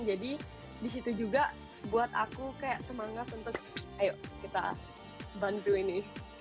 jadi disitu juga buat aku kayak semangat untuk ayo kita bantu ini